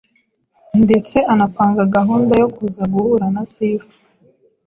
ndetse anapanga gahunda yo kuza guhura na Sifa